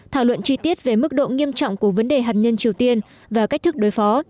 thảo luận chi tiết về mức độ nghiêm trọng của vấn đề hạt nhân triều tiên và cách thức đối phó